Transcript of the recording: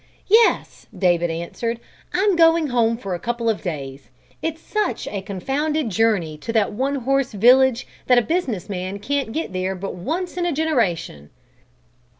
"Yes," David answered; "I'm going home for a couple of days. It's such a confounded journey to that one horse village that a business man can't get there but once in a generation!"